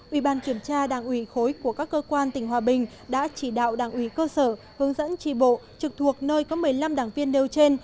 ủy ban kiểm tra đảng ủy khối của các cơ quan tỉnh hòa bình đã chỉ đạo đảng ủy cơ sở hướng dẫn trị bộ trực thuộc nơi có một mươi năm đảng viên nêu trên